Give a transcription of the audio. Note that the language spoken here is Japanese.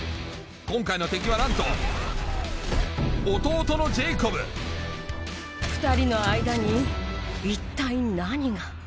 今回の敵はなんと２人の間に一体何が？